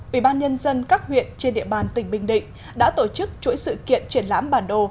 ủy ban nhân dân các huyện trên địa bàn tỉnh bình định đã tổ chức chuỗi sự kiện triển lãm bản đồ